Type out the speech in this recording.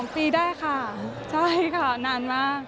๒ปีได้ค่ะใช่ค่ะนานมาก